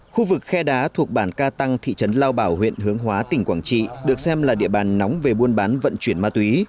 khu vực khe đá thuộc bản ca tăng thị trấn lao bảo huyện hướng hóa tỉnh quảng trị được xem là địa bàn nóng về buôn bán vận chuyển ma túy